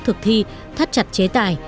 thực thi thắt chặt chế tài